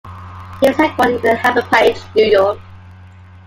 It is headquartered in Hauppauge, New York.